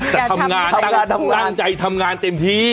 แต่ทำงานตั้งใจทำงานเต็มที่